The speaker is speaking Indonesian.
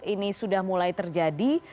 ini sudah mulai terjadi